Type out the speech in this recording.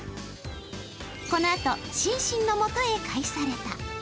このあと、シンシンのもとへ帰された。